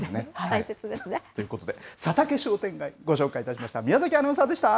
大切ですね。ということで、佐竹商店街、ご紹介いたしました。